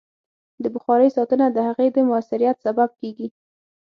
د بخارۍ ساتنه د هغې د مؤثریت سبب کېږي.